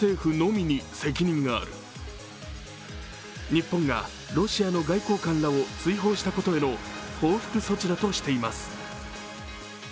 日本がロシアの外交官などを追放したことへの報復措置だとしています。